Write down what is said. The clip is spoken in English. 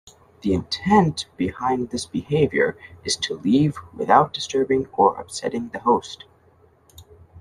The intent behind this behaviour is to leave without disturbing or upsetting the host.